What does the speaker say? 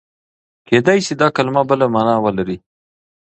کېدای شي دا کلمه بله مانا ولري.